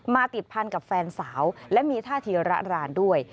ติดพันกับแฟนสาวและมีท่าทีระรานด้วย